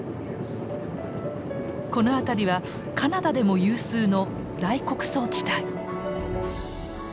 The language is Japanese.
この辺りはカナダでも有数の大穀倉地帯。